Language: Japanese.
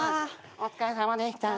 お疲れさまでした。